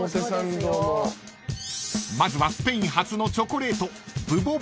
［まずはスペイン発のチョコレート］